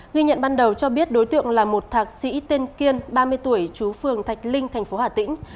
ghi nhận ban đầu cho biết đối tượng là một thạc sĩ tên kiên ba mươi tuổi chú phường thạch linh thành phố hà tĩnh